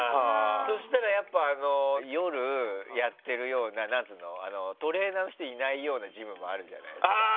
そしたら夜やってるようなトレーナーの人がいないようなジムもあるじゃないですか。